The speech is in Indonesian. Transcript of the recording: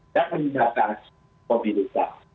dan meningkatkan mobilitas